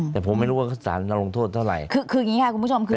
แต่ผมไม่รู้ว่าสารลงโทษเท่าไหร่คือคืออย่างนี้ค่ะคุณผู้ชมคือ